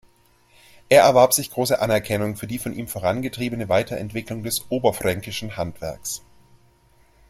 Er erwarb sich große Anerkennung für die von ihm vorangetriebene Weiterentwicklung des oberfränkischen Handwerks.